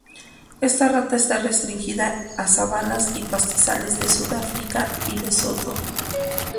Esta rata está restringida a sabanas y pastizales de Sudáfrica y Lesoto.